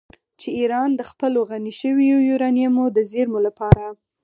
چې ایران د خپلو غني شویو یورانیمو د زیرمو لپاره